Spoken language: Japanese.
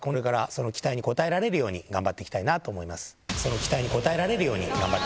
その期待に応えられるように頑張っていきたいなと思います。